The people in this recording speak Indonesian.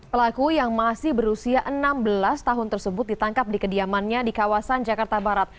pelaku yang masih berusia enam belas tahun tersebut ditangkap di kediamannya di kawasan jakarta barat